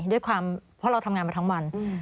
ด้วยความเพราะเราทำงานมาทั้งวัน